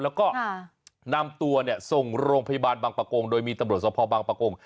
แล้วก็นำตัวส่งโรงพยาบาลบางปะโกงโดยมีตำรวจสมภาพบางปะโกง